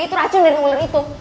itu racun dari mulut itu